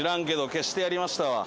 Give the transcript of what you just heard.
消してやりましたわ。